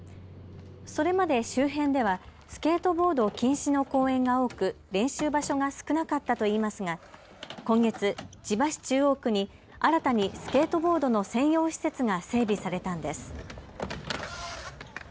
それまで周辺ではスケートボード禁止の公園が多く、練習場所が少なかったといいますが今月、千葉市中央区に新たにスケートボードの専用施設が整備されたんです。